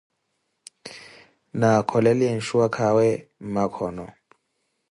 Na akholeliye nshuwakaawe mmakhono.